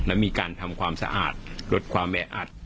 และมีการทำความสะอาดลดความแออัด